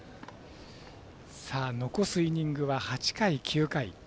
残すイニングは８回、９回。